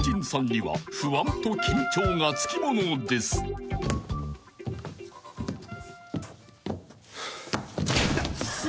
はい。